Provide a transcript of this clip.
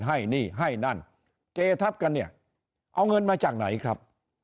ให้นี่ให้นั่นเจทับกันเนี่ยเอาเงินมาจากไหนครับ